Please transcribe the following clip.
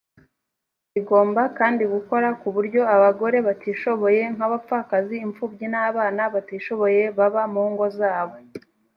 igomba kandi gukora ku buryo abagore batishoboye nk abapfakazi imfubyi n abana batishoboye baba mu ngo zabo